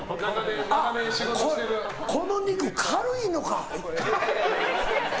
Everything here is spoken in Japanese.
この肉、軽いのか。